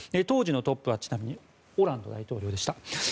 当時のトップはオランド大統領でした。